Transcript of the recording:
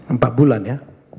empat bulan ya